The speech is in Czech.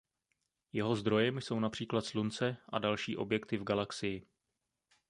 Jeho zdrojem jsou například Slunce a další objekty v Galaxii.